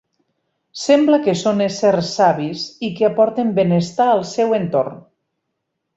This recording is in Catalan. Sembla que són éssers savis i que aporten benestar al seu entorn.